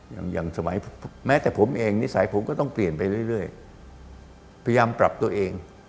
อย่างอย่างสมัยแม้แต่ผมเองนิสัยผมก็ต้องเปลี่ยนไปเรื่อยพยายามปรับตัวเอง